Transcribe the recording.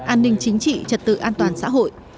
an ninh chính trị trật tự an toàn xã hội